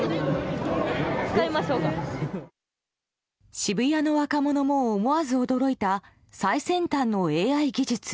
渋谷の若者も思わず驚いた最先端のＡＩ技術